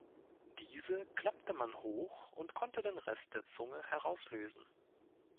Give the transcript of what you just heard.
Diese klappte man hoch und konnte den Rest der Zunge herauslösen.